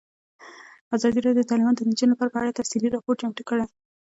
ازادي راډیو د تعلیمات د نجونو لپاره په اړه تفصیلي راپور چمتو کړی.